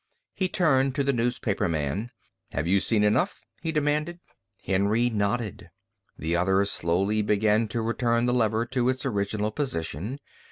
He turned to the newspaperman. "Have you seen enough?" he demanded. Henry nodded. The other slowly began to return the lever to its original position.